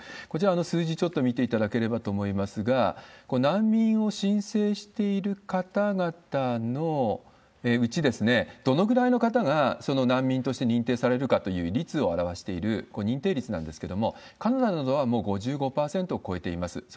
こちら、数字ちょっと見ていただければと思いますが、これ、難民を申請している方々のうち、どのぐらいの方が、その難民として認定されるかという率を表している認定率なんですけれども、カナダなどはもう５５％を超えています。